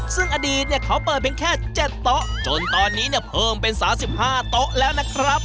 ซึ่งอดีตเขาเปิดแค่๗ตะจนตอนนี้เพิ่มเป็น๓๕ตะแล้วนะครับ